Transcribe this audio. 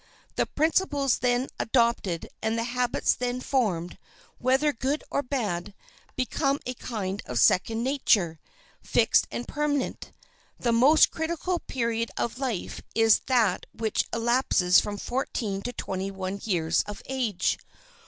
The principles then adopted and the habits then formed, whether good or bad, become a kind of second nature, fixed and permanent. The most critical period of life is that which elapses from fourteen to twenty one years of age.